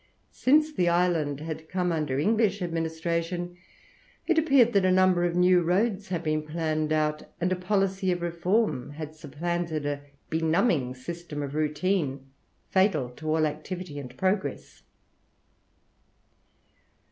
Since the island had come under English administration, it appeared that a number of new roads had been planned out, and a policy of reform had supplanted a benumbing system of routine fatal to all activity and progress.